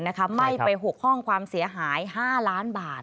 ไหม้ไป๖ห้องความเสียหาย๕ล้านบาท